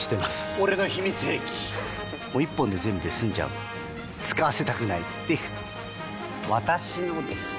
俺の秘密兵器１本で全部済んじゃう使わせたくないっていう私のです！